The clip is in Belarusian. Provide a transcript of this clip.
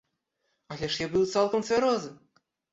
Але ж я быў цалкам цвярозы!